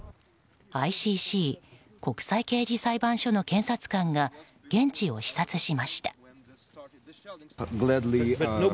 ＩＣＣ・国際刑事裁判所の検察官が現地を視察しました。